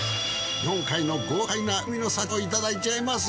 日本海の豪快な海の幸もいただいちゃいます。